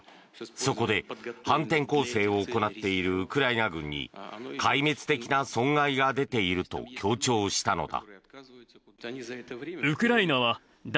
そこで反転攻勢を行っているウクライナ軍に壊滅的な損害が出ていると強調したのだ。